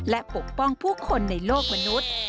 และปกป้องผู้คนในโลกมนุษย์